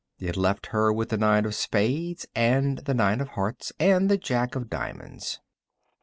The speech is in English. It left her with the nine of spades and the nine of hearts, and the Jack of diamonds.